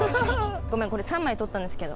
ごめんこれ３枚撮ったんですけど。